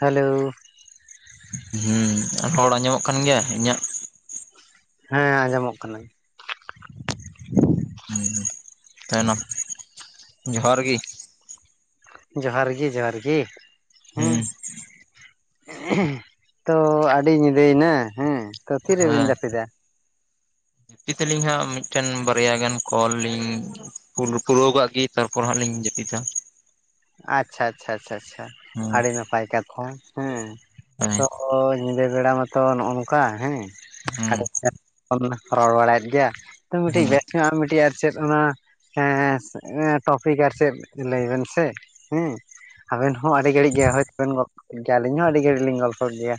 Hello ᱦᱮᱸ ᱟᱨ ᱦᱚᱲ ᱟᱸᱡᱚᱢᱚᱜ ᱠᱟᱱ ᱜᱮᱭᱟ ᱤᱧᱟᱹᱜ ᱦᱮᱸ ᱟᱸᱡᱚᱢᱚᱜ ᱠᱟᱱᱟᱹᱧ [unintelligible] ᱛᱟᱦᱮᱱᱚᱜ ᱡᱚᱦᱟᱨ ᱜᱤ ᱡᱚᱦᱟᱨ ᱜᱮ ᱡᱚᱦᱟᱨ ᱜᱤ ᱦᱮᱸ ᱦᱩᱸ ᱛᱚ ᱟᱹᱰᱤ ᱧᱤᱫᱟᱹᱭᱮᱱᱟ ᱦᱮᱸ ᱛᱚ ᱛᱤᱨᱮᱵᱮᱱ ᱡᱟᱹᱯᱤᱫᱟ ᱡᱟᱯᱤᱫᱟᱞᱤᱧ ᱦᱟᱸᱜ ᱢᱤᱫᱴᱮᱱ ᱵᱟᱨᱭᱟ ᱜᱟᱱ ᱠᱚᱞ ᱞᱤᱧ ᱠᱚᱞ ᱯᱩᱨᱟᱹᱣ ᱠᱟᱜ ᱜᱤ ᱛᱟᱨᱯᱚᱨ ᱦᱟᱸᱜ ᱞᱤᱧ ᱡᱟᱹᱯᱤᱫᱟ ᱟᱪᱪᱷᱟ ᱟᱪᱪᱷᱟ ᱪᱷᱟ ᱪᱷᱟ ᱪᱷᱟ ᱦᱩᱸ ᱟᱹᱰᱤ ᱱᱟᱯᱟᱭ ᱠᱟᱛᱷᱟ [unintelligible] ᱦᱮᱸ ᱦᱮᱸ ᱛᱚ ᱧᱤᱫᱟᱹ ᱵᱮᱲᱟ ᱢᱟᱛᱚ ᱱᱚᱜ ᱱᱚᱝᱠᱟ ᱦᱮᱸ ᱟ ᱦᱩᱸ ᱵᱚᱱ ᱨᱚᱲ ᱵᱟᱲᱟᱭᱮᱫ ᱜᱮᱭᱟ ᱛ ᱦᱩᱸ [unintelligible] ᱢᱤᱫᱴᱤᱡ ᱟᱨ ᱪᱮᱫ ᱚᱱᱟ ᱴᱚᱯᱤᱠ ᱟᱨ ᱪᱮᱫ ᱞᱟᱹᱭ ᱵᱮᱱ ᱥᱮ ᱦᱮᱸ ᱟᱵᱮᱱ ᱦᱚᱸ ᱟᱹᱰᱤ ᱜᱷᱟᱹᱲᱤᱡᱽ ᱜᱮ ᱦᱳᱭᱛᱵᱮᱱ ᱜᱚᱞᱯᱚ ᱜᱮᱭᱟ ᱟᱹᱞᱤᱧ ᱦᱚᱸ ᱟᱹᱰᱤ ᱜᱷᱟᱹᱲᱤᱡᱽ ᱞᱤᱧ ᱜᱚᱞᱯᱚ ᱜᱮᱭᱟ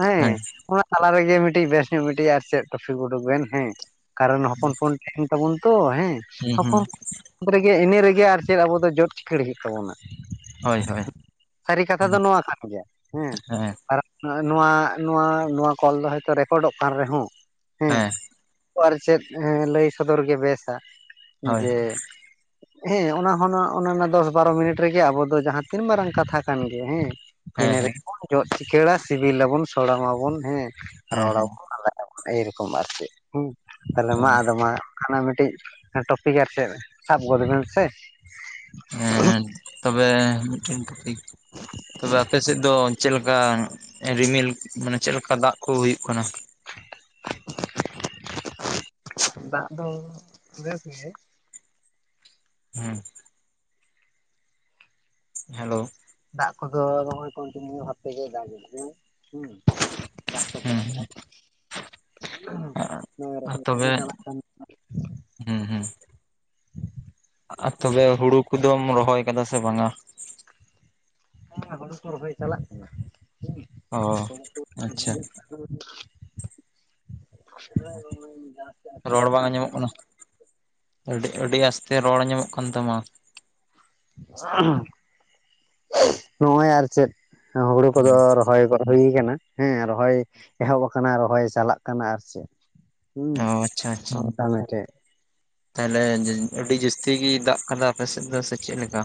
ᱦᱮᱸ ᱚᱱᱟ ᱛᱟᱞᱟ ᱨᱮᱜᱮ ᱢᱤᱫᱴᱤᱡᱽ ᱵᱮᱥ ᱧᱚᱜ ᱢᱤᱫᱴᱤᱡᱽ ᱟᱨ ᱪᱮᱫ ᱴᱚᱯᱷᱤ ᱩᱰᱩᱠ ᱵᱮᱱ ᱦᱮᱸ ᱠᱟᱨᱚᱱ ᱦᱚᱯᱚᱱ [unintelligible] ᱛᱟᱦᱮᱱ ᱛᱟᱵᱚᱱ ᱛᱚ ᱦᱮᱸ ᱦᱩᱸ ᱦᱩᱸ ᱦᱚᱯᱚᱱ ᱨᱮᱜᱮ ᱤᱱᱟᱹ ᱨᱮᱜᱮ ᱟᱨ ᱪᱮᱫ ᱟᱵᱚ ᱫᱚ ᱡᱚᱫ ᱪᱤᱠᱟᱹᱲ ᱦᱩᱭᱩᱜ ᱛᱟᱵᱚᱱᱟ ᱦᱳᱭ ᱦᱳᱭ ᱥᱟᱹᱨᱤ ᱠᱟᱛᱷᱟ ᱫᱚ ᱦᱮᱸ ᱱᱚᱣᱟ ᱠᱟᱱ ᱜᱮᱭᱟ ᱦᱮᱸ ᱱᱚᱣᱟ ᱱᱚᱣᱟ ᱠᱚᱞ ᱫᱚ ᱦᱚᱭᱛᱳ ᱨᱮᱠᱚᱨᱰᱚᱜ ᱠᱟᱱ ᱨᱮᱦᱚᱸ ᱦᱮᱸ ᱟᱨ ᱪᱮᱫ ᱞᱟᱹᱭ ᱥᱚᱫᱚᱨ ᱜᱮ ᱵᱮᱥᱟ ᱦᱳᱭ ᱡᱮ ᱦᱮᱸ ᱦᱮᱸ ᱚᱱᱟ ᱦᱚᱸ ᱚᱱᱟ ᱫᱚᱥ ᱵᱟᱨᱚ ᱢᱤᱱᱤᱴ ᱨᱮᱜᱮ ᱟᱵᱚ ᱫᱚ ᱡᱟᱦᱟᱸ ᱛᱤᱱ ᱢᱟᱨᱟᱝ ᱠᱟᱛᱷᱟ ᱠᱟᱱ ᱜᱮᱭᱟ ᱦᱮᱸ ᱤᱱᱟᱹ ᱦᱮᱸ ᱨᱮᱜᱮᱵᱚᱱ ᱡᱚᱜ ᱪᱤᱠᱟᱹᱲᱟ ᱥᱤᱵᱤᱞᱟᱵᱚᱱ ᱥᱚᱲᱚᱢᱟᱵᱚᱱ ᱦᱮᱸ ᱦᱮᱸ ᱨᱚᱲᱟᱵᱚᱱ ᱮᱭ ᱨᱚᱠᱚᱢ ᱟᱨᱠᱤ ᱦᱮ ᱛᱟᱦᱚᱞᱮ ᱢᱟ ᱦᱮᱸ ᱟᱫᱚ ᱢᱟ ᱟᱫᱚ ᱢᱤᱫᱴᱤᱡ ᱴᱚᱯᱤᱠ ᱟᱨ ᱪᱮᱫ ᱥᱟᱵ ᱜᱚᱫ ᱵᱮᱱ ᱥᱮ ᱛᱚᱵᱮ ᱢᱤᱫᱴᱮᱱ ᱴᱚᱯᱤᱠ ᱛᱚᱵᱮ ᱟᱯᱮᱥᱮᱫ ᱫᱚ ᱪᱮᱫ ᱞᱮᱠᱟ ᱨᱤᱢᱤᱞ ᱢᱟᱱᱮ ᱪᱮᱫ ᱞᱮᱠᱟ ᱫᱟᱜᱽ ᱠᱚ ᱦᱩᱭᱩᱜ ᱠᱟᱱᱟ ᱫᱟᱜ ᱫᱚ ᱵᱮᱥ ᱜᱮ ᱦᱮᱸ ᱦᱮᱞᱳ ᱫᱟᱜᱽ ᱠᱚᱫᱚ ᱠᱚᱱᱴᱤᱱᱤᱭᱩ ᱵᱷᱟᱵ ᱛᱮᱜᱮ ᱫᱟᱜᱽ ᱦᱩᱸ ᱫᱟᱜᱽ ᱠᱚ ᱪᱟᱞᱟᱜ ᱦᱮᱸ ᱠᱟᱱ ᱟᱨ ᱠᱚᱦᱚᱸ ᱪᱟᱞᱟᱜ ᱠᱟᱱᱟ ᱦᱮᱸ ᱦᱮᱸ ᱟᱨ ᱛᱚᱵᱮ ᱦᱩᱲᱩ ᱠᱚᱫᱚᱢ ᱨᱚᱦᱚᱭ ᱠᱟᱫᱟ ᱥᱮ ᱵᱟᱝᱼᱟ᱾ ᱦᱮᱸ ᱦᱳᱲᱩ ᱠᱚ ᱨᱚᱦᱚᱭ ᱪᱟᱞᱟᱜ ᱠᱟᱱᱟ ᱚ ᱦᱩᱸ ᱠᱚ ᱟᱪᱪᱷᱟ ᱨᱚᱲ ᱵᱟᱝ ᱨ ᱟᱸᱡᱚᱢᱚᱜ ᱠᱟᱱᱟ [unintelligible] ᱟᱹᱰᱤ ᱟᱹᱰᱤ ᱟᱥᱛᱮ ᱨᱚᱲ ᱧᱟᱢᱚᱜ ᱠᱟᱱ ᱛᱟᱢᱟ ᱱᱚᱜᱼᱚᱭ ᱟᱨ ᱪᱮᱫ ᱦᱩᱲᱩ ᱠᱚᱫᱚ ᱨᱚᱦᱚᱭ ᱜᱚᱫ ᱦᱩᱭ ᱟᱠᱟᱱᱟ ᱦᱮᱸ ᱨᱚᱦᱚᱭ ᱮᱦᱚᱵ ᱟᱠᱟᱱᱟ ᱨᱚᱦᱚᱭ ᱪᱟᱞᱟᱜ ᱠᱟᱱᱟ ᱟᱨ ᱪᱮᱫ ᱦᱩᱸ ᱚ ᱟᱪᱪᱷᱟ ᱟᱪᱪᱷᱟ [unintelligible] ᱛᱟᱦᱚᱞᱮ ᱟᱹᱰᱤ ᱡᱟᱹᱥᱛᱤ ᱜᱮ ᱫᱟᱜ ᱠᱟᱫᱟ ᱟᱯᱮᱥᱮᱫ ᱫᱚ ᱥᱮ ᱪᱮᱫ ᱞᱮᱠᱟ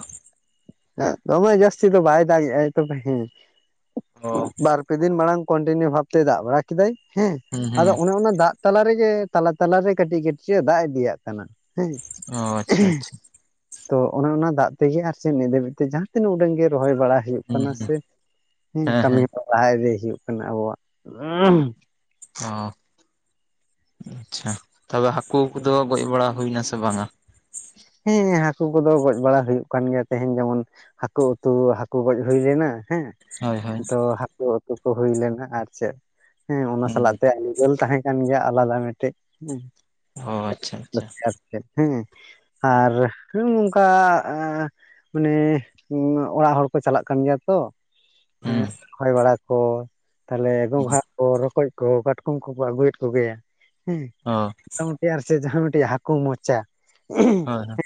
ᱫᱚᱢᱮ ᱡᱟᱹᱥᱛᱤ ᱫᱚ ᱵᱟᱭ ᱫᱟᱜᱮᱟᱭ ᱛᱚᱵᱮ ᱦᱮᱸ ᱚ ᱵᱟᱨ ᱯᱮ ᱫᱤᱱ ᱢᱟᱲᱟᱝ ᱠᱚᱱᱴᱤᱱᱤᱭᱩ ᱵᱷᱟᱵᱛᱮᱭ ᱫᱟᱜ ᱵᱟᱲᱟ ᱠᱮᱫᱟᱭ ᱦᱮᱸ ᱦᱩᱸ ᱦᱩᱸ ᱟᱫᱚ ᱚᱱᱮ ᱚᱱᱟ ᱫᱟᱜ ᱛᱟᱞᱟ ᱨᱮᱜᱮ ᱛᱟᱞᱟ ᱛᱟᱞᱟᱨᱮ ᱠᱟᱹᱴᱤᱡ ᱠᱟᱹᱴᱤᱡ ᱮ ᱫᱟᱜ ᱤᱫᱤᱭᱟᱜ ᱠᱟᱱᱟ ᱦᱮᱸ ᱚ ᱟᱪᱪᱷᱟ ᱟᱪᱪᱷᱟ ᱛᱚ ᱚᱱᱮ ᱚᱱᱟ ᱫᱟᱜ ᱛᱮᱜᱮ ᱟᱨ ᱪᱮᱫ ᱱᱤᱛ ᱫᱷᱟᱹᱵᱤᱡ ᱛᱮ ᱡᱟᱦᱟᱸ ᱛᱤᱱᱟᱹᱜ ᱩᱰᱟᱹᱝ ᱜᱮ ᱨᱚᱦᱚᱭ ᱵᱟᱲᱟᱭ ᱦᱩᱭᱩᱜ ᱦᱩᱸ ᱠᱟᱱᱟ ᱦᱩᱸ ᱥᱮ ᱦᱩᱸ ᱦᱮᱸ ᱠᱟᱹᱢᱤ ᱦᱮᱸ ᱦᱚᱨᱟ ᱞᱟᱦᱟ ᱤᱫᱤ ᱦᱩᱭᱩᱜ ᱠᱟᱱᱟ ᱟᱵᱚᱣᱟᱜ ᱚ ᱟᱪᱪᱷᱟ ᱛᱚᱵᱮ ᱦᱟᱹᱠᱩ ᱠᱚᱫᱚ ᱜᱚᱡ ᱵᱟᱲᱟ ᱦᱩᱭᱱᱟ ᱥᱮ ᱵᱟᱝᱟ ᱦᱮᱸ ᱦᱟᱹᱠᱩ ᱠᱚᱫᱚ ᱜᱚᱡ ᱵᱟᱲᱟ ᱦᱩᱭᱩᱜ ᱠᱟᱱ ᱜᱮᱭᱟ ᱛᱮᱦᱮᱧ ᱡᱮᱢᱚᱱ ᱦᱟᱹᱠᱩ ᱩᱛᱩ ᱦᱟᱹᱠᱩ ᱜᱚᱡ ᱦᱩᱭ ᱞᱮᱱᱟ ᱦᱮᱸ ᱦᱳᱭ ᱦᱳᱭ ᱛᱚ ᱦᱟᱹᱠᱩ ᱩᱛᱩ ᱠᱚ ᱦᱩᱭ ᱞᱮᱱᱟ ᱟᱨ ᱪᱮᱫ ᱦᱮᱸ ᱚᱱᱟ ᱦᱩᱸ ᱥᱟᱞᱟᱜ ᱛᱮ ᱟᱹᱞᱩ ᱫᱟᱹᱞ ᱛᱟᱦᱮᱸ ᱠᱟᱱ ᱜᱮᱭᱟ ᱟᱞᱟᱫᱟ ᱢᱤᱫᱴᱮᱡ ᱚ ᱟᱪᱪᱷᱟ ᱟᱪᱪᱷᱟ [unintelligible] ᱦᱮᱸ ᱦᱩᱸ ᱟᱨ ᱱᱚᱝᱠᱟ ᱢᱟᱱᱮ ᱚᱲᱟᱜ ᱦᱚᱲ ᱠᱚ ᱪᱟᱞᱟᱜ ᱠᱟᱱ ᱜᱮᱭᱟ ᱛᱚ ᱦᱮᱸ ᱦᱩᱸ ᱨᱚᱦᱚᱭ ᱵᱟᱲᱟ ᱠᱚ ᱛᱟᱞᱦᱮ ᱜᱚᱝᱜᱷᱟᱜ ᱠᱚ ᱨᱚᱠᱚᱡ ᱠᱚ ᱠᱟᱴᱠᱚᱢ ᱠᱚᱠᱚ ᱟᱹᱜᱩᱭᱮᱫ ᱠᱚᱜᱮᱭᱟ ᱦᱮᱸ ᱦᱳ [unintelligible] ᱥᱮ ᱡᱟᱦᱟᱸ ᱢᱤᱫᱴᱮᱡ ᱦᱟᱹᱠᱩ ᱢᱚᱪᱟ ᱦᱳᱭ ᱦᱳᱭ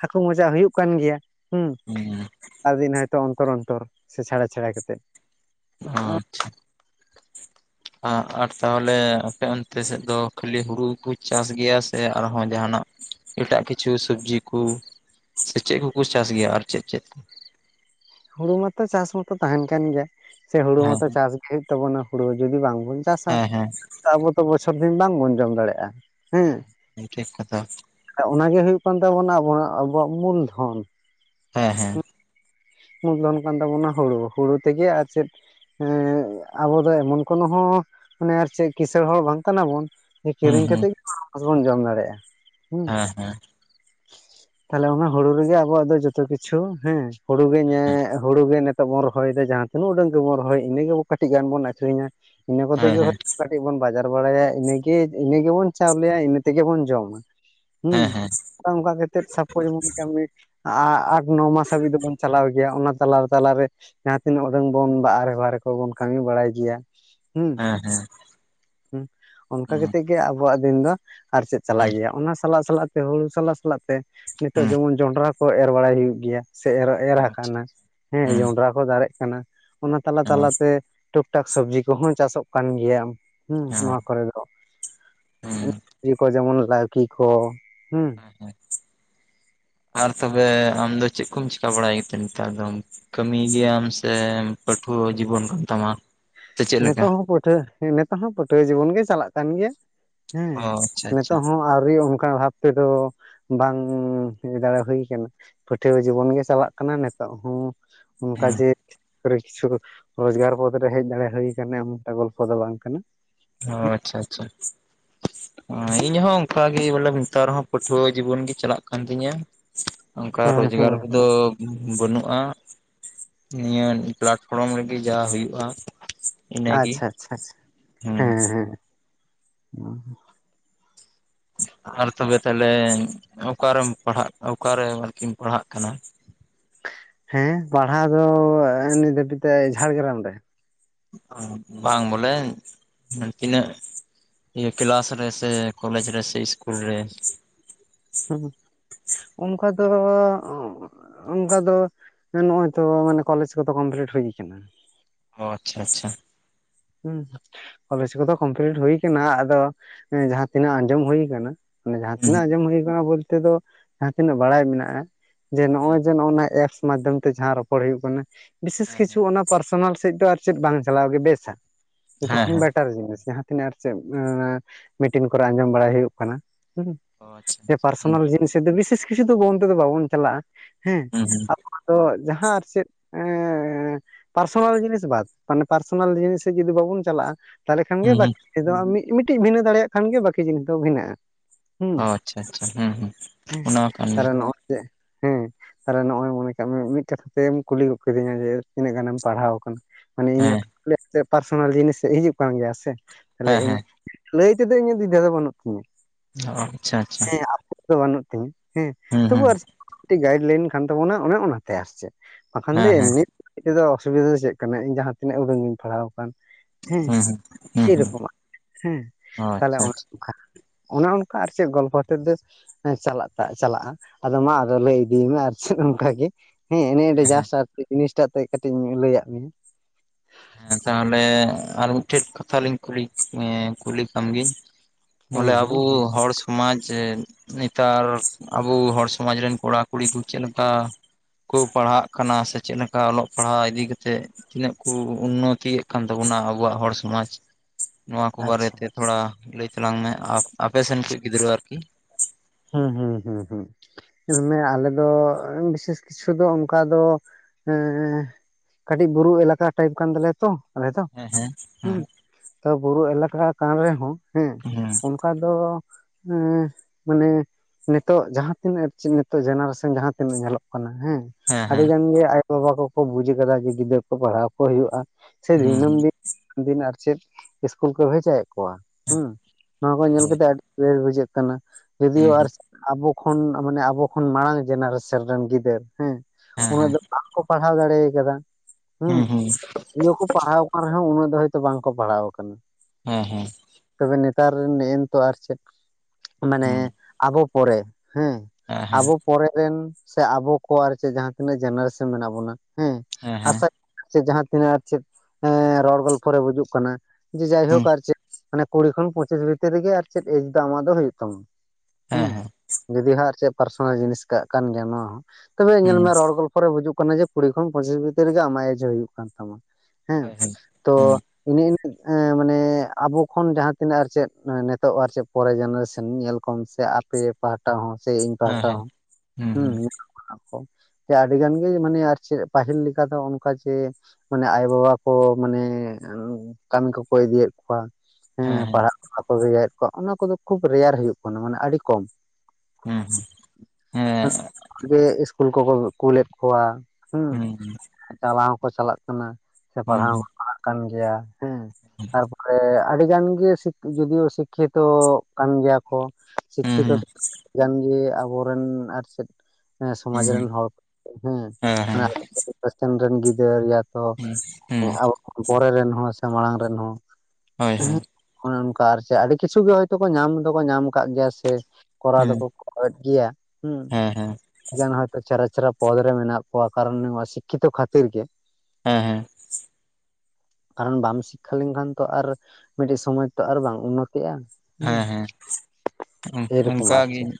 ᱦᱟᱹᱠᱩ ᱢᱚᱡᱟ ᱦᱩᱭᱩᱜ ᱠᱟᱱ ᱜᱮᱭᱟ ᱦᱩᱸ ᱦᱩᱸ ᱟᱹᱵᱤᱱ ᱦᱚᱭᱛᱳ ᱚᱱᱛᱚᱨ ᱚᱱᱛᱚᱨ ᱥᱮ ᱪᱷᱟᱲᱟ ᱪᱷᱟᱲᱟ ᱠᱟᱛᱮᱫ ᱟᱪᱪᱷᱟ ᱟᱨ ᱛᱟᱦᱚᱞᱮ ᱟᱯᱮ ᱚᱱᱛᱮ ᱥᱮᱫ ᱫᱚ ᱠᱷᱟᱹᱞᱤ ᱦᱩᱲᱩ ᱜᱮᱠᱚ ᱪᱟᱥ ᱜᱮᱭᱟ ᱥᱮ ᱟᱨᱦᱚᱸ ᱡᱟᱦᱟᱱᱟᱜ ᱮᱴᱟᱜ ᱠᱤᱪᱷᱩ ᱥᱚᱵᱡᱤ ᱠᱩ ᱥᱮ ᱪᱮᱫ ᱠᱚᱠᱚ ᱪᱟᱥ ᱜᱮᱭᱟ ᱟᱨ ᱪᱮᱫ ᱪᱮᱫ ᱠᱚ ᱦᱩᱲᱩ ᱢᱟᱛᱚ ᱪᱟᱥ ᱢᱚᱛᱚ ᱛᱟᱦᱮᱱ ᱠᱟᱱ ᱜᱮᱭᱟ ᱥᱮ ᱦᱩᱲᱩ ᱦᱮᱸ ᱢᱟᱛᱚ ᱪᱟᱥ ᱜᱮ ᱦᱩᱭᱩᱜ ᱛᱟᱵᱚᱱᱟ ᱦᱩᱲᱩ ᱡᱩᱚᱫᱤ ᱵᱟᱝᱵᱚᱱ ᱪᱟᱥᱟ ᱦᱮᱸ ᱦᱮᱸ ᱟᱵᱚ ᱫᱚ ᱵᱚᱪᱷᱚᱨ ᱫᱤᱱ ᱵᱟᱝᱵᱚᱱ ᱡᱚᱢ ᱫᱟᱲᱮᱭᱟᱜᱼᱟ ᱦᱮᱸ [unintelligible] ᱠᱟᱛᱷᱟ ᱚᱱᱟᱜᱮ ᱦᱩᱭᱩᱜ ᱠᱟᱱ ᱛᱟᱵᱚᱱᱟ ᱟᱵᱚ ᱟᱵᱚᱣᱟᱜ ᱢᱩᱞ ᱫᱷᱚᱱ ᱦᱮᱸ ᱦᱮᱸ ᱢᱩᱞ ᱫᱷᱚᱱ ᱠᱟᱱ ᱛᱟᱵᱚᱱᱟ ᱦᱩᱲᱩ ᱦᱩᱲᱩ ᱛᱮᱜᱮ ᱟᱨ ᱪᱮᱫ ᱮᱸ ᱟᱵᱚ ᱫᱚ ᱮᱢᱚᱱ ᱠᱳᱱᱚ ᱦᱚᱸ ᱢᱟᱱᱮ ᱟᱨ ᱪᱮᱫ ᱠᱸᱤᱥᱟᱹᱬ ᱦᱚᱲ ᱵᱟᱝ ᱠᱟᱱᱟ ᱵᱚᱱ ᱪᱮ ᱦᱩᱸ ᱠᱤᱨᱤᱧ ᱦᱩᱸ ᱠᱟᱛᱮᱫ ᱜᱮ [unintelligible] ᱵᱚᱱ ᱡᱚᱢ ᱫᱟᱲᱮᱭᱟᱜᱼᱟ ᱦᱩᱸ ᱦᱮᱸ ᱦᱮᱸ ᱛᱟᱦᱚᱞᱮ ᱚᱱᱟ ᱦᱩᱲᱩ ᱨᱮᱜᱮ ᱟᱵᱚᱣᱟᱜ ᱫᱚ ᱡᱚᱛᱚ ᱠᱤᱪᱷᱩ ᱦᱮᱸ ᱦᱮᱸ ᱦᱩᱲᱩᱜᱮ ᱦᱩᱲᱩᱜᱮ ᱱᱤᱛᱚᱜ ᱵᱚᱱ ᱨᱚᱦᱚᱭᱮᱫᱟ ᱡᱟᱦᱟᱸ ᱛᱤᱱᱟᱹᱜ ᱩᱰᱟᱹᱝ ᱜᱮᱵᱚᱱ ᱨᱚᱦᱚᱭ ᱤᱱᱟᱹᱜᱮᱵᱚ ᱠᱟᱹᱴᱤᱡ ᱜᱟᱱ ᱵᱚᱱ ᱟᱹᱠᱷᱨᱤᱧᱟ ᱤᱱᱟᱹ ᱠᱚᱛᱮ ᱦᱮᱸ ᱜᱮ ᱦᱮᱸ ᱠᱟᱹᱴᱤᱡ ᱵᱚᱱ ᱵᱟᱡᱟᱨ ᱵᱟᱲᱟᱭᱟ ᱤᱱᱟᱹᱜᱮ ᱤᱱᱟᱹ ᱜᱮᱵᱚᱱ ᱪᱟᱣᱞᱮᱭᱟ ᱤᱱᱟᱹ ᱛᱮᱜᱮ ᱵᱚᱱ ᱡᱚᱢᱟ ᱦᱩᱸ ᱦᱮᱸ ᱚᱱᱠᱟ ᱚᱱᱠᱟ ᱠᱟᱛᱮᱫ [unintelligible] ᱢᱟ ᱢᱤᱴᱟᱱᱜ ᱟᱴ ᱱᱚ ᱢᱟᱥ ᱦᱟᱹᱵᱤᱡ ᱫᱚ ᱪᱟᱞᱟᱣ ᱜᱮᱭᱟ ᱚᱱᱟ ᱛᱟᱞᱟᱨᱮ ᱛᱟᱞᱟᱨᱮ ᱡᱟᱦᱟᱸ ᱛᱤᱱᱟᱹᱜ ᱩᱰᱩᱝ ᱵᱚᱱ ᱟᱦᱨᱮ-ᱵᱟᱦᱨᱮ ᱠᱚᱨᱮ ᱵᱚᱱ ᱠᱟᱹᱢᱤ ᱵᱟᱲᱟᱭ ᱜᱮᱭᱟ ᱦᱩᱸ ᱦᱮᱸ ᱦᱮᱸ ᱦᱮᱸ ᱩᱸ ᱚᱱᱠᱟ ᱦᱩᱸ ᱠᱟᱛᱮᱜ ᱜᱮ ᱟᱵᱚᱣᱟᱜ ᱫᱤᱱ ᱫᱚ ᱟᱨ ᱪᱮᱫ ᱪᱟᱞᱟᱜ ᱦᱩᱸ ᱜᱮᱭᱟ ᱚᱱᱟ ᱥᱟᱞᱟᱜ ᱥᱟᱞᱟᱜ ᱛᱮ ᱦᱩᱲᱩ ᱥᱟᱞᱟᱜ ᱥᱟᱞᱟᱜ ᱛᱮ ᱱᱤᱛᱳᱜ ᱦᱩᱸ ᱡᱮᱢᱚᱱ ᱡᱚᱱᱰᱨᱟ ᱠᱚ ᱮᱨ ᱵᱟᱲᱟᱭ ᱦᱩᱭᱩᱜ ᱜᱮᱭᱟ ᱥᱮ ᱮᱨ ᱚ ᱮᱨ ᱟᱪᱪᱷᱟ ᱟᱠᱟᱱᱟ ᱟᱪᱪᱷᱟ ᱦᱮᱸ ᱦᱩᱸ ᱡᱚᱱᱰᱨᱟ ᱠᱚ ᱫᱟᱨᱮᱜ ᱠᱟᱱᱟ ᱚᱱᱟ ᱛᱟᱞᱟ ᱦᱩᱸ ᱛᱟᱞᱟᱛᱮ ᱴᱩᱠ ᱴᱟᱠ ᱥᱚᱵᱡᱤ ᱠᱚᱦᱚᱸ ᱪᱟᱥᱚᱜ ᱠᱟᱱ ᱜᱮᱭᱟ ᱦᱩᱸ ᱱᱚᱣᱟ ᱠᱚᱨᱮ ᱫᱚ ᱦᱩᱸ ᱤᱭᱟᱹ ᱠᱚ ᱡᱮᱢᱚᱱ ᱞᱟᱭᱠᱤ ᱠᱚ ᱦᱮᱸ [inaudible] ᱟᱨ ᱛᱚᱵᱮ ᱟᱢ ᱫᱚ ᱪᱮᱫ ᱠᱚᱢ ᱪᱮᱠᱟ ᱵᱟᱲᱟᱭ ᱜᱮᱛᱮ ᱱᱮᱛᱟᱨ ᱫᱚ ᱠᱟᱹᱢᱤ ᱜᱮᱭᱟᱢ ᱥᱮ ᱯᱟᱹᱴᱷᱩᱣᱟᱹ ᱡᱤᱵᱚᱱ ᱠᱟᱱ ᱛᱟᱢᱟ᱾ ᱥᱮ ᱪᱮᱫ ᱞᱮᱠᱟ ᱱᱤᱛᱚᱜ ᱦᱚᱸ ᱯᱟᱹᱴᱷᱩᱣᱟᱹ ᱱᱤᱛᱚᱜ ᱦᱚᱸ ᱯᱟᱹᱴᱷᱩᱣᱟᱹ ᱡᱤᱵᱚᱱ ᱜᱮ ᱪᱟᱞᱟᱜ ᱠᱟᱱ ᱜᱮᱭᱟ᱾ ᱦᱮᱸ ᱚ ᱟᱪᱪᱷᱟ ᱟᱪᱪᱷᱟ ᱱᱤᱛᱚᱜ ᱦᱚᱸ ᱟᱹᱣᱨᱤ ᱚᱱᱠᱟ ᱵᱷᱟᱵ ᱛᱮᱫᱚ ᱵᱟᱝ ᱫᱟᱲᱟ ᱦᱩᱭ ᱟᱠᱟᱱᱟ᱾ ᱯᱟᱹᱴᱷᱩᱣᱟᱹ ᱡᱤᱵᱚᱱ ᱜᱮ ᱪᱟᱞᱟᱜ ᱠᱟᱱᱟ ᱱᱤᱛᱚᱜ ᱦᱚᱸ ᱚᱱᱠᱟ ᱦᱮᱸ ᱡᱮ ᱠᱤᱪᱷᱩ ᱨᱳᱡᱽᱜᱟᱨ ᱯᱚᱫ ᱨᱮ ᱦᱮᱡ ᱫᱟᱲᱮ ᱦᱩᱭᱟ ᱟᱠᱟᱱᱟ ᱮᱢᱚᱱᱴᱟᱜ ᱜᱚᱞᱯᱚ ᱫᱚ ᱵᱟᱝ ᱠᱟᱱᱟ᱾ ᱚ ᱟᱪᱪᱷᱟ ᱟᱪᱪᱷᱟ ᱤᱧᱦᱚ ᱚᱱᱠᱟᱜᱮ ᱵᱚᱞᱮ ᱱᱤᱛᱨ ᱫᱚᱸ ᱯᱟᱹᱴᱷᱩᱣᱟᱹ ᱡᱤᱵᱚᱱ ᱜᱮ ᱪᱟᱞᱟᱜ ᱠᱟᱱ ᱛᱤᱧᱟᱹ᱾ ᱚᱱᱠᱟ ᱦᱩᱸ ᱦᱩᱸ ᱨᱳᱡᱽᱜᱟᱨ ᱦᱩᱸ ᱠᱚᱫᱚ ᱵᱟᱹᱱᱩᱜᱼᱟ᱾ ᱱᱤᱭᱟᱹ ᱯᱞᱟᱴᱯᱷᱨᱚᱢ ᱨᱮᱜᱮ ᱡᱟ ᱦᱩᱭᱩᱜᱼᱟ᱾ ᱤᱱᱟᱹᱜᱮ ᱟᱪᱪᱷᱟ ᱟᱪᱪᱷᱟ ᱟᱪᱪᱷᱟ ᱦᱮᱸ ᱦᱮᱸ ᱦᱳ ᱦᱳ ᱟᱨ ᱛᱚᱵᱮ ᱛᱟᱦᱞᱮ ᱚᱠᱟᱨᱮᱢ ᱯᱟᱲᱦᱟᱜ ᱚᱠᱟᱨᱮ ᱟᱨᱠᱤᱢ ᱯᱟᱲᱦᱟᱜ ᱠᱟᱱᱟ? ᱦᱮᱸ ᱯᱟᱲᱦᱟᱣ ᱫᱚ ᱱᱤᱛ ᱫᱷᱟᱹᱵᱤᱡ ᱛᱮ ᱡᱷᱟᱲᱜᱨᱟᱢ ᱨᱮ᱾ ᱵᱟᱝ ᱵᱚᱞᱮ ᱛᱤᱱᱟᱹᱜ? ᱤᱭᱟᱹ ᱠᱮᱞᱟᱥ ᱨᱮ ᱥᱮ ᱠᱚᱞᱮᱡᱽ ᱨᱮ ᱥᱮ ᱤᱥᱠᱩᱞ ᱨᱮ, ᱦᱩᱸ ᱚᱱᱠᱟ ᱫᱚᱻ ᱚᱱᱠᱟ ᱫᱚ ᱱᱚᱳᱭ ᱛᱚ ᱢᱟᱱᱮ ᱠᱚᱞᱮᱡᱽ ᱠᱚᱫᱚ ᱠᱚᱢᱯᱞᱤᱴ ᱦᱩᱭᱩ ᱟᱠᱟᱱᱟ᱾ ᱚ ᱟᱪᱪᱷᱟ ᱟᱪᱪᱷᱟ ᱦᱮᱸ ᱠᱚᱞᱮᱡ ᱠᱚᱫᱚ ᱠᱚᱢᱯᱤᱞᱴ ᱦᱩᱭ ᱟᱠᱟᱱᱟ ᱟᱫᱚ ᱡᱟᱦᱟᱸ ᱛᱤᱱᱟᱹᱜ ᱟᱸᱡᱚᱢ ᱦᱩ ᱟᱠᱟᱱᱟ ᱢᱟᱱᱮ ᱡᱟᱦᱟᱸ ᱦᱩᱸ ᱛᱤᱱᱟ ᱟᱸᱡᱚᱢ ᱦᱩᱭ ᱠᱟᱱᱟ ᱵᱚᱞᱛᱮ ᱫᱚ ᱡᱟᱦᱟᱸ ᱛᱤᱱᱟᱹ ᱵᱟᱲᱟᱭ ᱢᱮᱱᱟᱜᱼᱟ᱾ ᱡᱮ ᱱᱚᱼᱚᱭ ᱦᱮᱸ ᱡᱮ ᱱᱚᱭᱟ ᱮᱯᱥ ᱢᱟᱫᱷᱚᱢ ᱛᱮ ᱡᱟᱦᱟᱸ ᱨᱚᱯᱚᱲ ᱦᱩᱭᱩᱜ ᱠᱟᱱᱟ ᱵᱤᱥᱷᱮᱥ ᱦᱮᱸ ᱠᱤᱪᱷᱩ ᱦᱮᱸ ᱚᱱᱟ ᱯᱟᱨᱥᱚᱱᱟᱞ ᱥᱮᱡ ᱫᱚ ᱟᱨ ᱪᱮᱫ ᱵᱟᱝ ᱪᱟᱞᱟᱣ ᱜᱮ ᱵᱮᱥᱼᱟ᱾ ᱦᱮᱸ ᱡᱚᱛᱚᱠᱷᱚᱱ ᱦᱮᱸ ᱵᱮᱴᱟᱨ ᱡᱤᱱᱤᱥ ᱡᱟᱦᱟᱸᱛᱤᱱᱟᱹ ᱟᱨ ᱪᱮᱫ ᱢᱤᱴᱤᱱ ᱠᱚᱨᱮ ᱟᱸᱡᱚᱢ ᱵᱟᱲᱟᱭ ᱦᱩᱭᱩᱜ ᱠᱟᱱᱟ᱾ ᱦᱩᱸ ᱚ ᱟᱪᱪᱷᱟ [unintelligible] ᱦᱩᱸ ᱯᱟᱨᱥᱚᱱᱟᱞ ᱡᱤᱱᱤᱥ ᱥᱮᱪ ᱫᱚ ᱵᱤᱥᱮᱥ ᱠᱤᱪᱷᱩ ᱫᱚ ᱚᱱᱛᱮ ᱫᱚ ᱵᱟᱵᱚᱱ ᱪᱟᱞᱟᱜᱼᱟ᱾ ᱦᱮᱸ ᱦᱩᱸ ᱛᱚ ᱡᱟᱦᱟᱸ ᱟᱨ ᱪᱮᱫ ᱯᱟᱨᱥᱚᱱᱟᱞ ᱡᱤᱱᱤᱥ ᱵᱟᱫ ᱢᱟᱱᱮ ᱯᱟᱨᱥᱚᱱᱟᱞ ᱡᱤᱱᱤᱥ ᱡᱩᱫᱤ ᱵᱟᱵᱚᱱ ᱪᱟᱞᱟᱼᱟ ᱛᱟᱦᱚᱞᱮ ᱠᱷᱟᱱ ᱜᱮ ᱦᱩᱸ ᱦᱩᱸ ᱵᱟᱹᱠᱤ ᱠᱚᱫᱚ ᱢᱤᱫᱴᱤᱡ ᱵᱷᱤᱱᱟᱹ ᱫᱟᱲᱮᱭᱟᱜ ᱠᱷᱟᱱ ᱜᱮ ᱵᱟᱠᱤ ᱡᱤᱱᱤᱥ ᱫᱚ ᱵᱷᱤᱱᱟᱹᱼᱟ᱾ ᱚ ᱟᱪᱪᱷᱟ ᱟᱪᱪᱷᱟ ᱦᱩᱸᱦᱩᱸᱸ ᱦᱮᱸ ᱚᱱᱟ ᱢᱟ ᱠᱟᱱ ᱜᱮ᱾ ᱛᱟᱦᱚᱞᱮ ᱱᱚᱜᱼᱚᱭ ᱦᱮᱸ ᱛᱟᱦᱚᱞᱮ ᱱᱚᱚᱚᱭ ᱢᱚᱱᱮ ᱠᱟᱜ ᱢᱮ ᱢᱤᱫ ᱠᱟᱛᱷᱟ ᱛᱮᱢ ᱠᱩᱞᱤ ᱜᱚᱫ ᱠᱤᱫᱤᱧᱟ ᱡᱮ ᱛᱤᱱᱟᱹᱜ ᱜᱟᱱᱮᱢ ᱯᱟᱲᱦᱟᱣ ᱟᱠᱟᱱᱟ ᱢᱟᱱᱮ ᱦᱮᱸ ᱤᱧᱟᱹᱜ ᱯᱟᱨᱥᱚᱱᱟᱞ ᱡᱤᱱᱤᱥ ᱥᱮᱡ ᱦᱤᱡᱩᱝ ᱠᱟᱱ ᱜᱮᱭᱟ ᱥᱮ ᱛᱟᱦᱚᱞᱮ ᱦᱮᱸ ᱤᱧ ᱦᱮᱸ ᱞᱟᱹᱭ ᱛᱮᱫᱚ ᱤᱧᱟᱹᱜ ᱫᱤᱫᱷᱟ ᱫᱚ ᱵᱟᱹᱱᱩᱜ ᱛᱤᱧᱟᱹ᱾ ᱚ ᱟᱪᱪᱷᱟ ᱟᱪᱪᱷᱟ ᱦᱮᱸ ᱟᱯᱚᱛ ᱵᱟᱹᱱᱩᱜ ᱛᱤᱧᱟᱹ ᱦᱮᱸ ᱦᱩᱸ ᱛᱚᱵᱩ ᱦᱩᱸ ᱟᱨ ᱜᱟᱭᱤᱰ ᱞᱟᱭᱤᱱ ᱠᱟᱱ ᱛᱟᱵᱚᱱᱟ ᱚᱱᱮ ᱚᱱᱟᱛᱮ ᱟᱨ, ᱪᱮᱫ? ᱵᱟᱠᱷᱟᱱ ᱫᱚ ᱦᱮᱸ ᱦᱮᱸ ᱮᱢᱱᱤ ᱛᱮᱫᱚ ᱚᱥᱩᱵᱤᱫᱷᱟ ᱫᱚ ᱪᱮᱫ ᱠᱟᱱᱟ ᱤᱧ ᱡᱟᱦᱟᱸ ᱛᱤᱱᱟᱹᱜ ᱩᱰᱟᱹᱝ ᱜᱤᱧ ᱯᱟᱲᱦᱟᱣ ᱟᱠᱟᱱ᱾ ᱦᱩᱸ ᱮᱭᱨᱚᱠᱚᱢᱟ ᱦᱩᱸ ᱚ ᱛᱟᱦᱚᱞᱮ ᱟᱪᱪᱷᱟ ᱚᱱ ᱟᱪᱪᱷᱟ ᱚᱱᱠᱟ᱾ ᱚᱱᱮ ᱚᱱᱠᱟ ᱟᱨ ᱪᱮᱫ ᱜᱚᱞᱯᱚ ᱦᱚᱛᱮᱫ ᱫᱚ ᱦᱮᱸ ᱪᱟᱞᱟᱴᱟᱝ ᱪᱟᱞᱟᱜᱼᱟ ᱟᱫᱚ ᱢᱟ ᱟᱫᱚ ᱞᱟᱹᱭ ᱤᱫᱤ ᱢᱮ ᱟᱨ ᱪᱮᱫ ᱱᱚᱝᱠᱟ ᱜᱮ ᱦᱮᱸ ᱮᱱᱮ ᱮᱰᱮ ᱡᱟᱥᱴ ᱟᱨᱠᱤ ᱡᱤᱱᱤᱥᱴᱟᱜ ᱛᱮ ᱠᱟᱹᱴᱤᱡ ᱤᱧ ᱞᱟᱹ ᱟᱫ ᱢᱮᱭᱟ᱾ ᱦᱮᱸ ᱛᱟᱦᱚᱞᱮ ᱟᱨ ᱢᱤᱫᱴᱮᱱ ᱠᱟᱛᱷᱟ ᱞᱤᱧ ᱠᱩᱞᱤ ᱠᱩᱞᱤ ᱠᱟᱢ ᱜᱤᱭᱟᱹᱧ᱾ ᱦᱮᱸ ᱵᱚᱞᱮ ᱦᱮᱸ ᱟᱵᱚ ᱦᱮᱸ ᱦᱚᱲ ᱢᱟᱪᱮᱫ ᱱᱮᱛᱟᱨ ᱟᱵᱚ ᱦᱚᱲ ᱥᱚᱢᱟᱡᱽ ᱨᱮᱱ ᱠᱚᱲᱟ ᱠᱩᱲᱤ ᱠᱚ ᱪᱮᱫ ᱞᱮᱠᱟ ᱠᱚ ᱯᱟᱲᱦᱟ ᱠᱟᱱᱟ ᱥᱮ ᱪᱮᱫ ᱞᱮᱠᱟ ᱚᱞᱚ ᱯᱟᱲᱦᱟᱣ ᱤᱫᱤ ᱠᱟᱛᱮᱮᱫ ᱛᱤᱱᱟᱹᱜ ᱠᱚ ᱩᱱᱱᱚᱛᱤᱭᱮᱫ ᱠᱟᱱ ᱛᱟᱵᱚᱱᱟ ᱟᱵᱚᱣᱟᱜ ᱦᱚᱲ ᱥᱚᱢᱟᱡᱽ ᱱᱚᱣᱟ ᱠᱚ ᱟᱪᱪᱷᱟ ᱵᱟᱨᱮᱛᱮ ᱛᱷᱚᱲᱟ ᱞᱟᱹᱭ ᱛᱟᱞᱟᱝ ᱢᱮ ᱟᱯᱮᱥᱮᱱ ᱠᱚᱭᱤᱢ ᱜᱤᱫᱽᱨᱟᱹ ᱟᱨᱠᱤ᱾ ᱦᱮᱸ ᱦᱩᱸ ᱦᱩᱸ ᱦᱩᱸ ᱧᱮᱞᱢᱮ ᱟᱞᱮ ᱫᱚ ᱵᱤᱥᱮᱥ ᱠᱤᱪᱷᱩ ᱫᱚ ᱚᱱᱠᱟ ᱫᱚ ᱮᱸ ᱠᱟᱹᱴᱤᱡ ᱵᱩᱨᱩ ᱮᱞᱟᱠᱟ ᱴᱟᱭᱤᱯ ᱠᱟᱱ ᱛᱟᱞᱮᱭᱟ ᱛᱚ, ᱟᱞᱮ ᱛᱚ ᱦᱮᱸ ᱦᱮᱸ ᱦᱩᱸ ᱦᱮᱸ ᱛᱚ ᱵᱩᱨᱩ ᱮᱞᱟᱠᱟ ᱠᱟᱱ ᱨᱮᱦᱚᱸ ᱦᱮᱸ ᱚᱫᱚ ᱦᱩᱸ ᱢᱟᱱᱮ ᱱᱤᱛᱚ ᱡᱟᱦᱟᱸ ᱛᱤᱱᱟᱹ ᱟᱨ ᱪᱮᱫ ᱱᱤᱛᱚ ᱡᱮᱱᱟᱨᱮᱥᱚᱱ ᱡᱟᱦᱟᱸ ᱛᱤᱱᱟ ᱧᱮᱞᱚ ᱠᱟᱱᱟ ᱦᱮᱸ ᱟᱫᱚ ᱧᱮᱞᱢᱮ ᱟᱭᱳᱼᱵᱟᱵᱟ ᱠᱚᱠᱚ ᱵᱩᱡ ᱠᱟᱫᱟ ᱡᱮ ᱜᱤᱫᱽᱟᱨ ᱠᱚ ᱯᱟᱲᱦᱟᱣ ᱠᱚ ᱦᱩᱭᱩᱜᱼᱟ ᱥᱮ ᱦᱮᱸ ᱫᱤᱱᱟᱹᱢ ᱦᱮᱸ ᱫᱤᱱ ᱫᱤᱱ ᱟᱨ ᱪᱮᱫ ᱤᱥᱠᱩᱞ ᱠᱚ ᱵᱷᱮᱡᱟᱭᱮᱫ ᱠᱚᱣᱟ ᱦᱩᱸ ᱱᱚᱣᱟ ᱠᱚ ᱦᱳᱭ ᱧᱮᱞ ᱦᱳᱭ ᱠᱟᱛᱮᱫ ᱟᱹᱰᱤ [unintelligible] ᱵᱩᱡᱷᱟᱹ ᱠᱟᱱᱟ ᱡᱫᱤᱭᱳ ᱦᱩᱸ ᱟᱨ ᱟᱵᱚ ᱠᱷᱚᱱ ᱢᱟᱱᱮ ᱟᱵᱚ ᱠᱷᱚᱱ ᱢᱟᱲᱟᱝ ᱡᱮᱱᱟᱨᱮᱥᱚᱱ ᱨᱮᱱ ᱜᱤᱫᱟᱹᱨ ᱦᱮᱸ ᱦᱮᱸ ᱚᱱᱟ ᱦᱮᱸ ᱫᱚ ᱵᱟᱝᱠᱚ ᱯᱟᱲᱦᱟᱣ ᱫᱟᱲᱮ ᱠᱟᱫᱟ ᱦᱮᱸ ᱦᱩᱸ ᱦᱩᱸ ᱱᱤᱭᱟᱹ ᱠᱚ ᱯᱟᱲᱦᱟᱣ ᱟᱠ ᱨᱮᱦᱚᱸ ᱩᱱᱟᱹᱜ ᱫᱚᱚ ᱦᱭᱛᱚ ᱵᱟᱝᱠᱚ ᱯᱟᱲᱦᱟᱣ ᱟᱠᱟᱱᱟ᱾ ᱦᱮᱸ ᱦᱮᱸ ᱛᱚᱵᱮ ᱱᱮᱛᱟᱨ ᱨᱮᱱ ᱱᱮᱜᱼ ᱱᱤᱛᱚᱜ ᱟᱨ ᱪᱮᱫ ᱢᱟᱱᱮ ᱦᱩᱸ ᱟᱵᱚ ᱯᱚᱨᱮ ᱦᱮᱸ ᱦᱮᱸ ᱦᱮᱸ ᱟᱵᱚ ᱦᱮᱸ ᱯᱚᱨᱮᱨᱮ ᱨᱮᱱ ᱥᱮ ᱟᱵᱚ ᱠᱚ ᱟᱨ ᱪᱮᱫ ᱡᱟᱦᱟᱸᱛᱤᱤᱱᱟᱹᱜ ᱡᱮᱱᱟᱨᱮᱥᱚᱱ ᱢᱮᱱᱟᱜ ᱵᱚᱱᱟ᱾ ᱦᱮᱸ ᱦᱮᱸ ᱟᱥᱟᱭ ᱡᱟᱦᱟᱸ ᱛᱤᱱᱟᱹᱜ ᱟᱨ ᱪᱮᱫ ᱮ ᱨᱚᱲ ᱜᱚᱞᱯᱷᱚ ᱨᱮ ᱵᱩᱡᱩᱜ ᱠᱟᱱᱟ᱾ ᱡᱮ ᱡᱟᱭᱦᱳᱠ ᱟᱨ ᱪᱮᱫ ᱢᱟᱱᱮ ᱠᱩᱲᱤ ᱠᱷᱚᱱ ᱯᱚᱸᱪᱤᱥ ᱵᱷᱤᱛᱤᱨ ᱨᱮᱜᱮ ᱟᱨ ᱪᱮᱫ ᱮᱡ ᱫᱚ ᱟᱢᱟᱜ ᱫᱚ ᱦᱳᱭᱳᱜ ᱛᱟᱢᱟ ᱦᱩᱸ ᱡᱩᱫᱤ ᱦᱟᱸ ᱟᱨ ᱪᱮᱫ ᱯᱟᱨᱥᱚᱱᱟᱞ ᱡᱤᱱᱤᱥ ᱠᱟᱜ ᱠᱟᱱ ᱜᱮᱭᱟ ᱱᱚᱣᱟ ᱦᱚᱸ ᱛᱚᱵᱮ ᱦᱩᱸ ᱦᱮᱸ ᱦᱮᱸ ᱧᱮᱞ ᱦᱩᱸ ᱢᱮᱮ ᱨᱚᱲ ᱜᱚᱞᱯ ᱛᱟᱨᱚᱨᱮ ᱦᱡᱩᱜ ᱠᱟᱱᱟ ᱡᱮ ᱠᱩᱨᱤᱠᱷᱚᱱ ᱯᱚᱸᱪᱤᱥ ᱵᱷᱤᱛᱤᱨ ᱨᱮᱜᱮ ᱟᱢᱟᱸ ᱮᱡ ᱦᱩᱭᱩᱜ ᱠᱟᱱ ᱛᱟᱢᱟ ᱦᱮᱸ ᱦᱳᱭ ᱦᱳᱭ ᱛᱚ ᱦᱩᱸ ᱮᱱᱤ ᱤᱱᱟ ᱢᱟᱱᱮ ᱟᱵᱚ ᱠᱷᱚᱱ ᱡᱟᱦᱟᱸ ᱛᱤᱱᱟᱹᱜ ᱟᱨ ᱪᱮᱫ ᱱᱤᱛᱚᱜ ᱟᱨ ᱪᱮᱫ ᱯᱚᱨᱮ ᱡᱮᱱᱟᱨᱮᱥᱚᱱ ᱧᱮᱞ ᱠᱚᱢᱥᱮ ᱟᱯᱮ ᱯᱟᱦᱴᱟᱣ ᱦᱚᱸ ᱥᱮ ᱤᱧ ᱦᱮᱸ ᱯᱟᱦᱴᱟᱣ ᱦᱮᱸ ᱦᱚᱸ ᱦᱩᱸ ᱧᱮᱞ ᱠᱚ ᱡᱮ ᱟᱹᱰᱤ ᱜᱟᱱ ᱜᱮ ᱢᱟᱱᱮ ᱟᱨ ᱪᱮᱫ ᱯᱟᱹᱦᱤᱞ ᱞᱮᱠᱟ ᱫᱚ ᱚᱱᱠᱟ ᱡᱮ ᱢᱟᱱᱮ ᱟᱭᱳ ᱵᱟᱵᱟ ᱠᱚ ᱢᱟᱱᱮ ᱠᱟᱹᱢᱤ ᱠᱚᱠᱚ ᱤᱫᱤᱭᱮᱫ ᱠᱚᱣᱟ᱾ ᱦᱮᱸ ᱯᱟᱲᱦᱟᱜ ᱠᱟᱱᱟ ᱠᱚ ᱵᱷᱮᱡᱟᱭᱮᱫ ᱠᱚᱣᱟ ᱚᱱᱟ ᱠᱚᱫᱚ ᱠᱷᱩᱵ ᱨᱮᱭᱟᱨ ᱦᱩᱭᱩᱜ ᱠᱟᱱᱟ ᱢᱟᱱᱮ ᱟᱹᱰᱤ ᱠᱚᱢ᱾ ᱦᱮᱸ ᱦᱮᱜ ᱡᱮ ᱤᱥᱠᱩᱞ ᱠᱚᱠᱚ ᱠᱩᱞᱮᱫ ᱠᱚᱣᱟ ᱦᱩᱸ ᱪᱟᱞᱟᱣ ᱦᱚᱸ ᱠᱚ ᱪᱟᱞᱟᱜ ᱠᱟᱱᱟ ᱥᱮ ᱯᱟᱲᱦᱟᱣ ᱦᱩᱸ ᱦᱩᱸ ᱦᱚᱸ ᱠᱚ ᱦᱩᱸ ᱦᱮᱸ ᱦᱮᱸ ᱦᱩᱸ ᱦᱳᱭ ᱦᱳᱭ ᱦᱩᱸ ᱦᱮᱸ ᱦᱮᱸ ᱯᱟᱲᱦᱟᱜ ᱠᱟᱱ ᱜᱮᱭᱟ ᱦᱮᱸ ᱛᱟᱨᱯᱚᱨᱮ ᱟᱹᱰᱤ ᱜᱟᱱ ᱜᱮ ᱥᱤᱫ ᱡᱩᱫᱤᱭᱳ ᱥᱤᱠᱠᱷᱤᱛᱚ ᱠᱟᱱ ᱜᱮᱭᱟ ᱠᱚ ᱥᱤᱠᱠᱷᱤᱛᱚ ᱫᱚ ᱟᱹᱰᱤ ᱜᱟᱱ ᱜᱮ ᱟᱵᱚ ᱨᱮᱱ ᱟᱨ ᱪᱮᱫ ᱦᱮᱸ ᱥᱚᱢᱟᱡᱽ ᱨᱮᱱ ᱦᱚᱲ ᱦᱮᱸ ᱢᱟᱱᱮ [unintelligible] ᱨᱮᱱ ᱜᱤᱫᱽᱨᱟᱹ ᱨᱮᱭᱟᱛ ᱛᱚ ᱟᱵᱚ ᱯᱚᱨᱮ ᱨᱮᱱ ᱦᱚᱸ ᱥᱮ ᱢᱟᱲᱟᱝ ᱨᱮᱱ ᱦᱚᱸ ᱦᱳᱭ ᱦᱮᱸ ᱥᱮ ᱚᱱᱮ ᱚᱱᱠᱟ ᱟᱨ ᱪᱮᱫ ᱟᱹᱰᱤ ᱠᱤᱪᱷᱩ ᱦᱳᱭᱛᱩ ᱧᱟᱢ ᱫᱚᱠᱚ ᱧᱟᱢ ᱠᱟᱜ ᱜᱮᱭᱟ ᱥᱮ ᱠᱚᱨᱟᱣ ᱫᱚᱠᱚ ᱦᱚᱲ ᱮᱫ ᱜᱮᱭᱟ ᱟᱹᱰᱤ ᱜᱟᱱ ᱦᱚᱭᱛᱚ ᱪᱮᱦᱨᱟ ᱪᱮᱦᱨᱟ ᱯᱚᱫᱽ ᱨᱮ ᱢᱮᱱᱟᱜ ᱠᱚᱣᱟ ᱠᱟᱨᱚᱱ ᱱᱚᱣᱟ ᱥᱤᱠᱠᱷᱤᱛᱚ ᱠᱷᱟᱹᱛᱤᱨ ᱜᱮ ᱦᱮᱸ ᱦᱮᱸ ᱠᱟᱨᱚᱱ ᱵᱟᱢ ᱥᱤᱠᱠᱷᱟ ᱞᱮᱱᱠᱷᱟᱱ ᱛᱚ ᱟᱨ ᱢᱤᱫᱴᱮᱱ ᱥᱚᱢᱟᱡᱽ ᱛᱚ ᱟᱨ ᱵᱟᱝ ᱩᱱᱱᱚᱛᱤᱜ-ᱟ ᱦᱩᱸ ᱦᱮᱸ ᱦᱮᱸ ᱮᱭᱨᱚᱠᱚᱢ ᱚᱱᱠᱟ ᱟᱨ ᱜᱤ ᱪᱮᱫ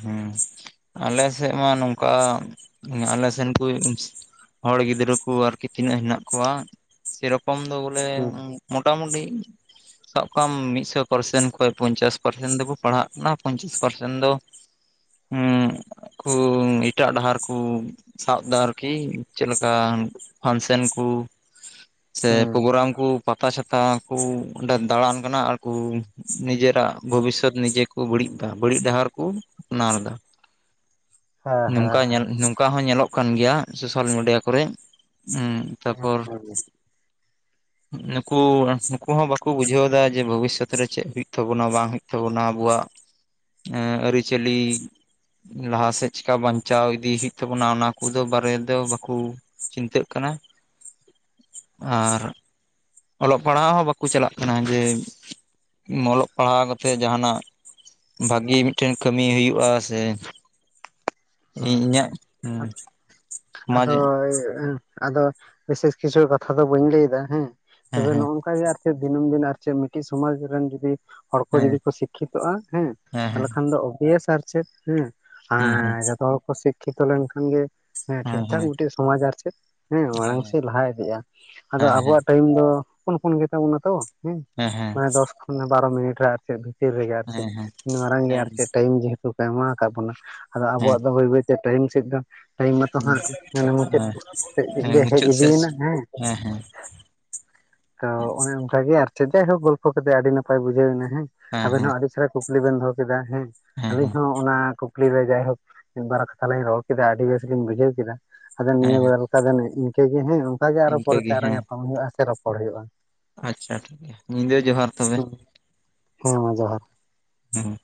ᱦᱮᱸ ᱟᱞᱮ ᱥᱮᱫ ᱢᱟ ᱱᱚᱝᱠᱟ ᱟᱞᱮ ᱥᱮᱱ ᱠᱩᱡ ᱦᱚᱲ ᱜᱤᱫᱽᱨᱟᱹ ᱠᱚ ᱟᱨᱠᱤ ᱛᱤᱱᱟᱹᱜ ᱦᱮᱱᱟᱜ ᱠᱚᱣᱟ ᱥᱮᱨᱚᱠᱚᱢ ᱫᱚ ᱵᱚᱞᱮ ᱦᱩᱸ ᱢᱚᱴᱟᱢᱩᱴᱤ ᱥᱟᱵ ᱠᱟᱢ ᱢᱤᱫᱥᱚ ᱯᱟᱨᱥᱮᱱ ᱠᱷᱚᱱ ᱚᱠᱚᱭ ᱯᱚᱸᱧᱪᱟᱥ ᱯᱟᱨᱥᱮᱱ ᱫᱚᱵᱚᱱ ᱯᱟᱲᱦᱟᱜ ᱠᱟᱱᱟ ᱯᱚᱸᱧᱪᱟᱥ ᱯᱟᱨᱥᱮᱱ ᱫᱚ ᱠᱩᱢ ᱮᱴᱟᱜ ᱰᱟᱦᱟᱨ ᱠᱩ ᱥᱟᱵ ᱫᱟ ᱟᱨᱠᱤ ᱪᱮᱫ ᱞᱮᱠᱟ᱾ ᱯᱷᱟᱱᱥᱮᱱ ᱠᱩ ᱥᱮ ᱦᱩᱸ ᱯᱨᱳᱜᱨᱟᱢ ᱠᱚ ᱯᱟᱛᱟ ᱪᱷᱟᱛᱟ ᱠᱚ ᱚᱸᱰᱮ ᱫᱟᱲᱟᱱ ᱠᱟᱱᱟ ᱟᱨᱠᱩ ᱱᱤᱡᱮᱨᱟᱜ ᱵᱷᱚᱵᱤᱥᱚᱛ ᱱᱤᱡᱮᱠᱚ ᱵᱟᱹᱲᱤᱡ ᱫᱟ ᱵᱟᱹᱲᱤᱡ ᱰᱟᱦᱟᱨ ᱠᱩ ᱟᱯᱱᱟᱨ ᱫᱟ ᱦᱮᱸ ᱦᱮᱸ ᱱᱚᱝᱠᱟ ᱧᱮᱞ ᱦᱮᱸ ᱱᱚᱝᱠᱟ ᱦᱚᱸ ᱧᱮᱞᱚᱜ ᱠᱟᱱ ᱜᱮᱭᱟ ᱥᱳᱥᱟᱞ ᱢᱤᱰᱤᱭᱟ ᱠᱚᱨᱮᱡ ᱮᱸ ᱛᱟᱨᱯᱚᱨ ᱦᱮᱸ ᱦᱮᱸ ᱱᱩᱠᱩ ᱱᱩᱠᱩ ᱦᱚᱸ ᱵᱟᱠᱩ ᱵᱩᱡᱷᱟᱹᱣᱫᱟ ᱡᱮ ᱵᱷᱚᱵᱤᱥᱚᱛ ᱨᱮ ᱪᱮᱫ ᱦᱩᱭᱩᱜ ᱛᱟᱵᱚᱱᱟ ᱵᱟᱝ ᱦᱩᱭᱩᱜ ᱛᱟᱵᱚᱱᱟ ᱟᱵᱚᱣᱟᱜ ᱮᱸ ᱟᱹᱨᱤᱪᱟᱹᱞᱤ ᱞᱟᱦᱟ ᱥᱮᱫ ᱪᱤᱠᱟ ᱵᱟᱧᱪᱟᱣ ᱤᱫᱤ ᱦᱳᱭᱳᱜ ᱛᱟᱵᱚᱱᱟ ᱚᱱᱟ ᱠᱚᱫᱚ ᱵᱟᱨᱮ ᱫᱚ ᱵᱟᱠᱩ᱾ ᱪᱤᱱᱛᱟᱹᱜ ᱠᱟᱱᱟ᱾ ᱟᱨ ᱚᱞᱚᱜ ᱯᱟᱲᱦᱟᱜ ᱦᱚᱸ ᱵᱟᱠᱚ ᱪᱟᱞᱟᱜ ᱠᱟᱱᱟ ᱡᱮ ᱚᱞᱚᱜ ᱯᱟᱲᱦᱟᱣ ᱠᱟᱛᱮᱫ ᱡᱟᱦᱟᱱᱟᱜ ᱵᱷᱟᱜᱤ ᱢᱤᱫᱴᱮᱱ ᱠᱟᱹᱢᱤ ᱦᱳᱭᱳᱜ-ᱟ ᱥᱮ ᱤᱧᱟᱹᱜ [unintelligible] ᱥᱚᱢᱟᱡᱽ ᱟᱫᱚ ᱵᱤᱥᱮᱥ ᱠᱤᱪᱷᱩ ᱠᱟᱛᱷᱟ ᱫᱚ ᱵᱟᱹᱧ ᱞᱟᱹᱭ ᱫᱟ ᱦᱮᱸ ᱦᱮᱸ ᱛᱚᱵᱮ ᱱᱚᱜ ᱦᱮᱸ ᱱᱚᱝᱠᱟ ᱜᱮ ᱟᱨ ᱮᱫ ᱫᱤᱱᱟᱹᱢ ᱫᱤᱱ ᱟᱨ ᱪᱮᱫ ᱢᱤᱫᱴᱮᱱ ᱥᱚᱢᱟᱡᱽ ᱨᱮᱱ ᱡᱩᱫᱤ ᱦᱚᱲ ᱠᱚ ᱦᱮᱸ ᱡᱩᱫᱤ ᱠᱚ ᱥᱤᱠᱠᱷᱤᱛᱚᱜ-ᱟ ᱦᱮᱸ ᱛᱟᱦᱚᱞᱮ ᱠᱷᱟᱱ ᱫᱚ ᱳᱵᱤᱭᱮᱥ ᱟᱨ ᱪᱮᱫ ᱦᱮᱸ ᱦᱮᱸ ᱡᱚᱛᱚ ᱦᱚᱲ ᱠᱚ ᱥᱤᱠᱠᱷᱤᱛᱚ ᱞᱮᱱᱠᱷᱟᱱ ᱜᱮ ᱦᱮᱸ ᱴᱷᱤᱠ ᱴᱷᱟᱠ ᱦᱮᱸ ᱦᱮᱸ ᱦᱮᱸ ᱦᱮᱸ ᱦᱮᱸ ᱢᱤᱫᱴᱮᱡ ᱥᱚᱢᱟᱡᱽ ᱟᱨ ᱪᱮᱫ ᱦᱮᱸ ᱢᱟᱲᱟᱝ ᱥᱮᱫ ᱞᱟᱦᱟ ᱤᱫᱤᱜ-ᱟ ᱟᱫᱚ ᱟᱵᱚᱣᱟᱜ ᱴᱟᱭᱤᱢ ᱫᱚ ᱦᱚᱯᱚᱱ ᱦᱚᱯᱚᱱ ᱜᱮᱛᱟ ᱵᱚᱱᱟ ᱛᱚ ᱦᱮᱸ ᱢᱟᱱᱮ ᱫᱚᱥ ᱠᱷᱚᱱ ᱵᱟᱨᱚ ᱢᱤᱱᱤᱴ ᱨᱮ ᱟᱨ ᱪᱮᱫ ᱵᱷᱤᱛᱤᱨ ᱨᱮᱜᱮ ᱟᱨ ᱪᱮᱫ ᱤᱱ ᱢᱟᱨᱟᱝ ᱜᱮ ᱦᱮᱸ ᱟᱨ ᱪᱮᱫ ᱴᱟᱭᱤᱢ ᱡᱮᱦᱮᱛᱩ ᱠᱚ ᱮᱢᱟᱣ ᱟᱠᱟᱫ ᱵᱚᱱᱟ ᱟᱫᱚ ᱦᱮᱸ ᱟᱵᱚᱣᱟᱜ ᱫᱚ ᱵᱟᱹᱭ ᱵᱟᱹᱭ ᱛᱮ ᱴᱟᱭᱤᱢ ᱥᱮᱫ ᱫᱚ ᱴᱟᱭᱤᱢ ᱢᱟᱛᱚ ᱦᱟᱸᱜ ᱦᱟᱱᱮ ᱢᱩᱪᱟᱹᱫ ᱦᱮᱸ ᱥᱮᱫ ᱦᱮᱸ ᱜᱮ ᱦᱮᱡ ᱢᱩᱪᱟᱹᱫ ᱤᱫᱤᱭ ᱥᱮᱫ ᱮᱱᱟ ᱦᱮᱸ ᱦᱮᱸ ᱦᱮᱸ ᱛᱚ ᱚᱱᱮ ᱚᱱᱠᱟ ᱜᱮ ᱟᱨ ᱪᱮᱫᱮ ᱦᱚᱸ ᱜᱚᱞᱯᱚ ᱠᱟᱛᱮᱜ ᱟᱹᱰᱤ ᱱᱟᱯᱟᱭ ᱵᱩᱡᱷᱟᱹᱣᱱᱟ ᱦᱮᱸ ᱟᱵᱮᱱ ᱦᱚᱸ ᱟᱹᱰᱤ ᱪᱮᱦᱨᱟ ᱠᱩᱠ ᱞᱤ ᱵᱮᱱ ᱫᱚᱦᱚ ᱠᱮᱫᱟ ᱦᱮᱸ ᱟᱞᱤᱧ ᱦᱚᱸ ᱚᱱᱟ ᱠᱩᱠᱞᱤ ᱨᱮ ᱡᱟᱭᱦᱳᱠ ᱢᱤᱫᱵᱟᱨ ᱠᱟᱛᱷᱟ ᱞᱤᱧ ᱨᱚᱲ ᱠᱮᱫᱟ ᱟᱹᱰᱤ ᱵᱮᱥᱞᱤᱧ ᱵᱩᱡᱷᱟᱹᱣ ᱠᱮᱫᱟ ᱟᱫᱚ ᱱᱤᱭᱟᱹ ᱦᱮᱸ ᱵᱟᱨ [inaudible] ᱫᱚ ᱤᱱᱠᱟᱹᱜᱮ ᱦᱮᱸ, ᱚᱝᱠᱟ ᱟᱨᱦᱚ ᱤᱱᱠᱟᱹ ᱯᱚᱨᱮᱛᱮ ᱟᱨᱚ ᱧᱟᱯᱟᱢ ᱦᱩᱭᱩᱜᱼᱟ ᱥᱮ ᱨᱚᱯᱚᱲ ᱦᱩᱭᱩᱜᱼᱟ᱾ ᱟᱪᱷᱟ ᱴᱷᱤᱠᱜᱮᱭᱟ, ᱧᱤᱫᱟᱹ ᱡᱚᱦᱟᱨ ᱛᱚᱵᱮ, ᱦᱮᱸ ᱢᱟ ᱡᱚᱦᱟᱨ ᱦᱩᱸ᱾